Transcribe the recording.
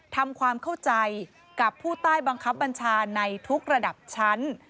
ทำความเข้าใจกับผู้ใต้บังคับบัญชาในทุกระดับชั้น